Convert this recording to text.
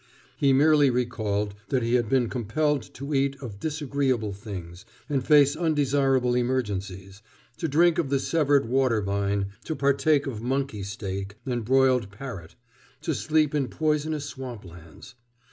He merely recalled that he had been compelled to eat of disagreeable things and face undesirable emergencies, to drink of the severed water vine, to partake of monkey steak and broiled parrot, to sleep in poisonous swamplands.